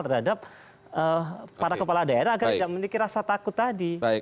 terhadap para kepala daerah agar tidak memiliki rasa takut tadi